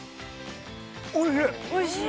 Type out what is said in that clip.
◆おいしい。